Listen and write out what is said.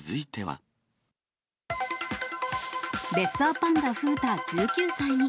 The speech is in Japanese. レッサーパンダ風太１９歳に。